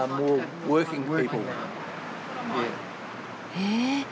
へえ。